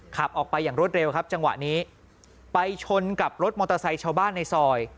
ขับออกไปอย่างรวดเร็วครับจังหวะนี้ไปชนกับรถมอเตอร์ไซค์ชาวบ้านในซอย